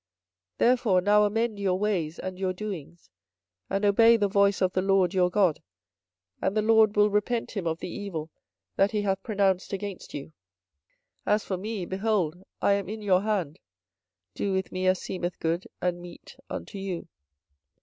24:026:013 Therefore now amend your ways and your doings, and obey the voice of the LORD your God; and the LORD will repent him of the evil that he hath pronounced against you. 24:026:014 As for me, behold, I am in your hand: do with me as seemeth good and meet unto you.